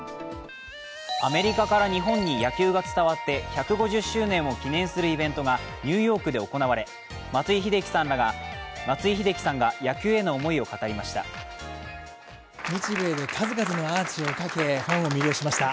アメリカから日本に野球が伝わって１５０周年を記念するイベントがニューヨークで行われ、松井秀喜さんが野球への思いを語りました。